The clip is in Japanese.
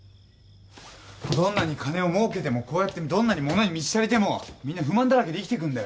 どんなに金を儲けてもどんなに物に満ち足りてもみんな不満だらけで生きていくんだよ。